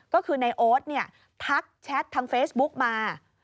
ก็คือในโอ๊ตทักแชททางเฟซบุ๊กมา